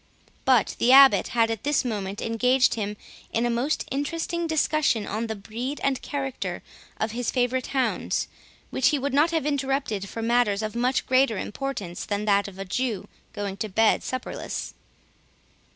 But the Abbot had, at this moment, engaged him in a most interesting discussion on the breed and character of his favourite hounds, which he would not have interrupted for matters of much greater importance than that of a Jew going to bed supperless.